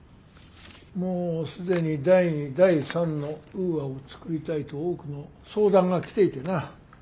「もう既に第２第３のウーアを作りたいと多くの相談が来ていてな。